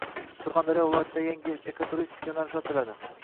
Surxondaryo viloyatida yangi ekoturistik yo‘nalish ochiladi